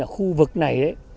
ở khu vực này